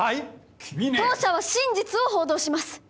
君ね当社は真実を報道します